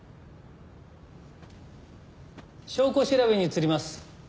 証拠調べに移ります。